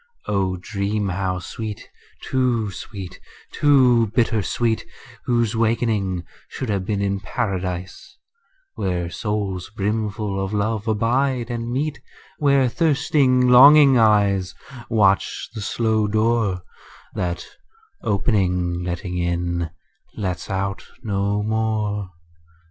O dream how sweet, too sweet, too bitter sweet, Whose wakening should have been in Paradise, Where souls brimful of love abide and meet; Where thirsting longing eyes Watch the slow door That opening, letting in, lets out no more.